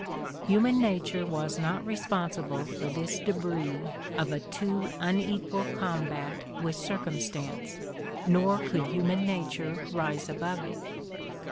Human nature was not responsible for this debris of a too unequal combat with circumstance, nor could human nature rise above it.